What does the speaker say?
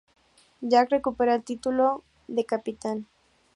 Jack recupera el título de capitán,